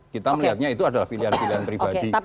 kita melihatnya itu adalah pilihan pilihan pribadi